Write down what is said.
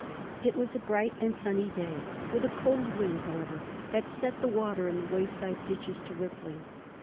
It was a bright and sunny day, with a cold wind, however, that set the water in the wayside ditches to rippling.